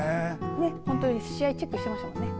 本当に試合チェックしてましたもんね。